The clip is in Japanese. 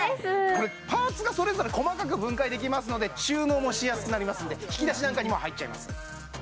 これパーツがそれぞれ細かく分解できますので収納もしやすくなりますので引き出しなんかにも入っちゃいます